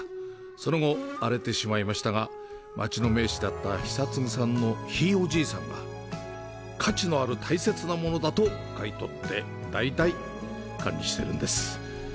その後、荒れてしまいましたが、町の名士だった久継さんのひいおじいさんが、「価値のある大切なものだ」と買い取って、代々、管理しているんです。